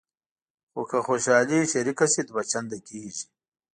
خو که خوشحالي شریکه شي دوه چنده کېږي.